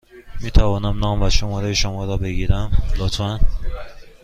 می توانم نام و شماره شما را بگیرم، لطفا؟